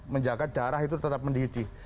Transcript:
menjaga darah itu tetap mendidih